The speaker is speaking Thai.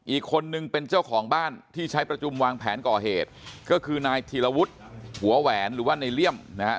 อีกคนนึงเป็นเจ้าของบ้านที่ใช้ประชุมวางแผนก่อเหตุก็คือนายธีรวุฒิหัวแหวนหรือว่าในเลี่ยมนะฮะ